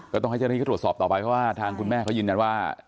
ต้องให้เจ้าหน้าที่เขาตรวจสอบต่อไปเพราะว่าทางคุณแม่เขายืนยันว่า